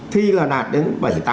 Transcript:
thi là đạt đến bảy tám chín